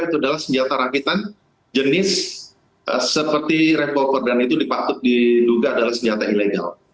itu adalah senjata rakitan jenis seperti revolver dan itu dipatut diduga adalah senjata ilegal